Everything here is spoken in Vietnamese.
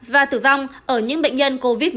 và tử vong ở những bệnh nhân covid một mươi chín